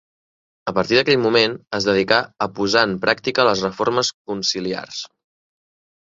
A partir d'aquell moment es dedicà a posar en pràctica les reformes conciliars.